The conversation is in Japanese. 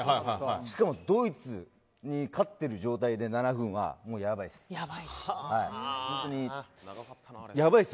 しかも、ドイツに勝っている状態で７分は、やばいです。